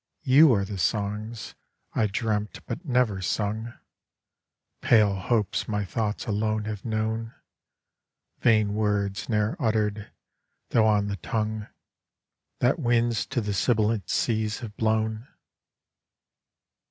You are the son^s, I dreamt but never sung, Pale hopes my thoughts alone have known, Vain words ne'er uttered, though on the tongue, That winds to the sibilunt seas have blown.